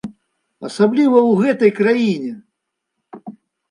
Асабліва ў гэтай краіне!